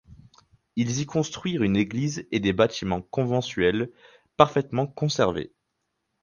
Ils y construisirent une église et des bâtiments conventuels parfaitement conservés.